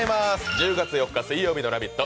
１０月４日水曜日の「ラヴィット！」。